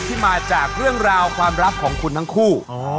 ที่มาจากเรื่องราวความรักของคุณทั้งคู่